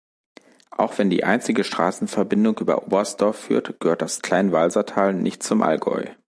Auch wenn die einzige Straßenverbindung über Oberstdorf führt, gehört das Kleinwalsertal nicht zum Allgäu.